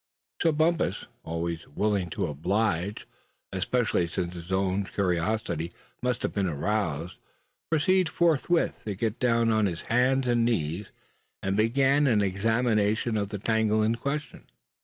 So Bumpus, always willing to oblige, especially since his own curiosity must have been aroused, proceeded forthwith to get down on his hands and knees, and begin an examination of the tangle in question.